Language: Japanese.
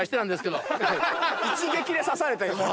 一撃で刺された。